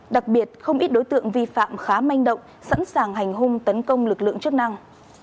đặc biệt không ít đối tượng vi phạm khá manh động sẵn sàng hành hung tấn công lực lượng chức năng